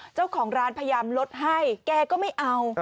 เจ้าของร้านพยายามลดให้แกก็ไม่เอา